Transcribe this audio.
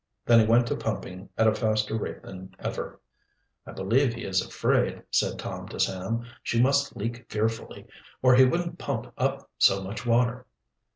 Then he went to pumping at a faster rate than ever. "I believe he is afraid," said Tom to Sam. "She must leak fearfully, or he wouldn't pump up so much water."